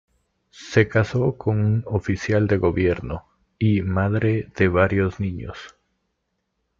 Se casó con un oficial de gobierno; y, madre de varios niños.